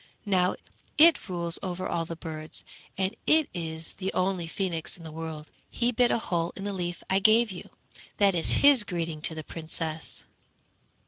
Now it rules over all the birds, and it is the only phoenix in the world. He bit a hole in the leaf I gave you; that is his greeting to the Princess.'